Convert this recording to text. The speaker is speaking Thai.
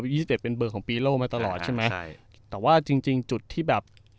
ยี่สิบเจ็ดเป็นเบอร์ของปีโล่มาตลอดใช่ไหมใช่แต่ว่าจริงจริงจุดที่แบบ